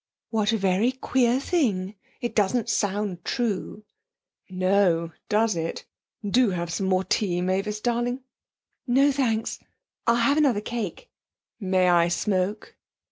'What a very queer thing! It doesn't sound true.' 'No; does it? Do have some more tea, Mavis darling.' 'No, thanks; I'll have another cake.' 'May I smoke?'